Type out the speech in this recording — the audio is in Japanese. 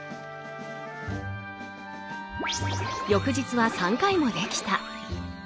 翌日は３回もできた。